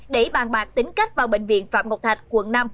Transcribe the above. để bàn bạc tính cách vào bệnh viện phạm ngọc thạch quận năm